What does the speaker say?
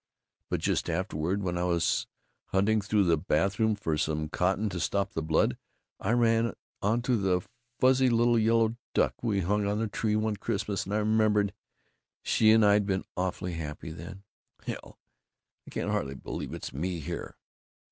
But just afterward, when I was hunting through the bathroom for some cotton to stop the blood, I ran onto a little fuzzy yellow duck we hung on the tree one Christmas, and I remembered she and I'd been awfully happy then Hell. I can't hardly believe it's me here."